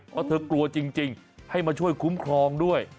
เพราะเธอกลัวจริงให้มาช่วยคุ้มครองด้วย